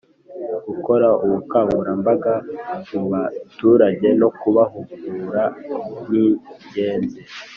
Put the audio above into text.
Gukora ubukangurambaga mu baturage no kubahugura ningenzi